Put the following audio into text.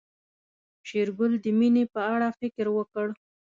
شېرګل د مينې په اړه فکر وکړ.